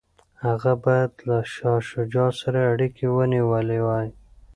هغه باید له شاه شجاع سره اړیکي ونیولي وای.